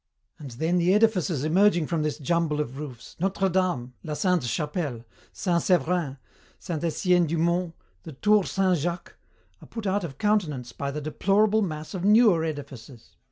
"And then the edifices emerging from this jumble of roofs, Notre Dame, la Sainte Chapelle, Saint Severin, Saint Etienne du Mont, the Tour Saint Jacques, are put out of countenance by the deplorable mass of newer edifices.